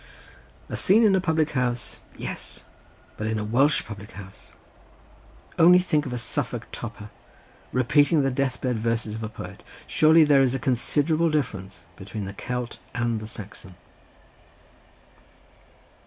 A scene in a public house, yes! but in a Welsh public house. Only think of a Suffolk toper repeating the death bed verses of a poet; surely there is a considerable difference between the Celt and the Saxon.